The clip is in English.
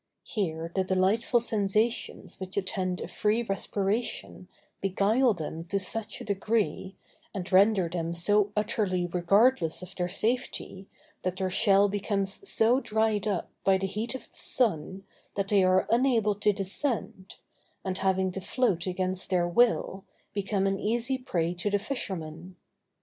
Here the delightful sensations which attend a free respiration beguile them to such a degree, and render them so utterly regardless of their safety, that their shell becomes so dried up by the heat of the sun, that they are unable to descend, and, having to float against their will, become an easy prey to the fishermen.